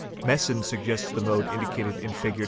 Messon suggests the , mode indicated in Fig.